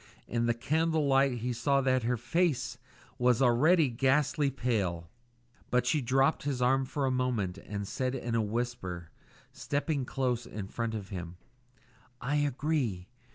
In the candle light he saw that her face was already ghastly pale; but she dropped his arm for a moment and said in a whisper, stepping close in front of him "I agree.